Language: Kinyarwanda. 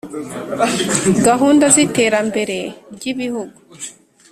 Gahunda z’iterambere ry’ibihugu